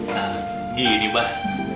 nah gini mbah